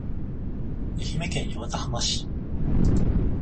愛媛県八幡浜市